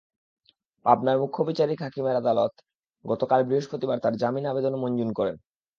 পাবনার মুখ্য বিচারিক হাকিমের আদালত গতকাল বৃহস্পতিবার তাঁর জামিন আবেদন মঞ্জুর করেন।